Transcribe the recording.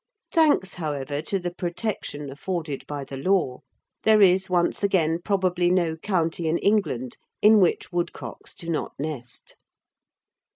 Thanks, however, to the protection afforded by the law, there is once again probably no county in England in which woodcocks do not nest.